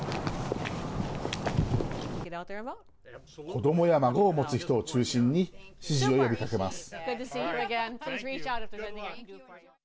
子どもや孫を持つ人を中心に支持を呼びかけます。